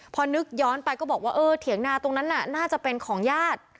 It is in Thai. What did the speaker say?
พอนึกย้อนไปก็บอกว่าเออเถียงนาตรงนั้นน่ะน่าจะเป็นของญาติ